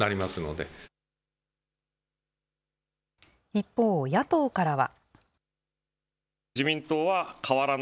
一方、野党からは。